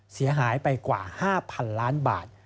เสียหายไปกว่า๕๐๐๐ล้านบาท